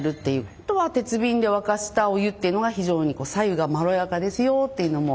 あとは鉄瓶で沸かしたお湯っていうのが非常にさ湯がまろやかですよっていうのも。